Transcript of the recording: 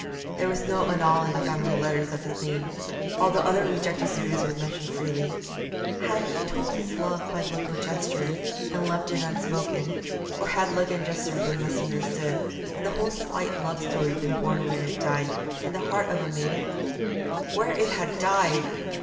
There was no annal in the family letters of his name, although other rejected suitors were mentioned freely. Had he told his love by look or gesture, and left it unspoken, or had look and gesture been misunderstood, and the whole slight love story been born where it had died, in the heart of the maiden? 'Where it had died!'